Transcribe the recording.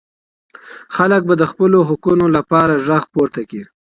خلګ به د خپلو حقونو لپاره ږغ پورته کړي.